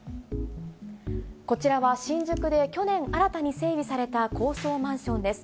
こちらは、新宿で去年新たに整備された高層マンションです。